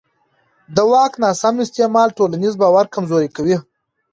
د واک ناسم استعمال ټولنیز باور کمزوری کوي